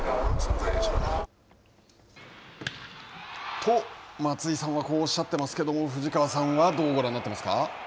と松井さんはこうおっしゃっていますけども藤川さんはどうご覧になっていますか。